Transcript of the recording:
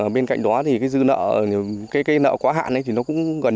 bên cạnh đó thì cái dư nợ cái nợ quá hạn ấy thì nó cũng gần